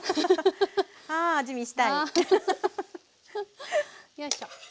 あ味見したい。